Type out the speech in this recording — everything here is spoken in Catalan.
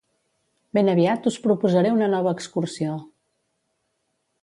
ben aviat us proposaré una nova excursió